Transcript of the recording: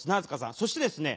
そしてですね